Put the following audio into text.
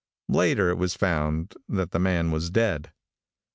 Later, it was found that the man was dead.